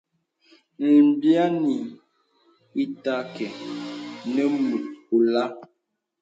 Lbīani ìtà kə nə mùt olā.